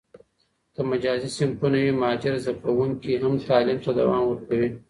که مجازي صنفونه وي، مهاجر زده کوونکي هم تعلیم ته دوام ورکوي.